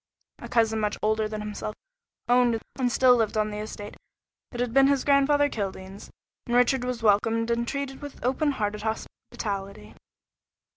A cousin much older than himself owned and still lived on the estate that had been his grandfather Kildene's, and Richard was welcomed and treated with openhearted hospitality.